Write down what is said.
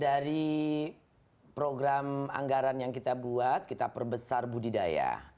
dari program anggaran yang kita buat kita perbesar budidaya